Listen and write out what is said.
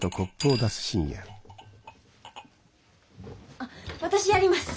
あ私やります。